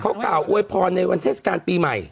เขากล่าวอวยพรในวันเทศกาลปีใหม่